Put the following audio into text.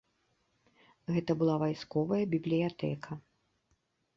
Гэта была вайсковая бібліятэка.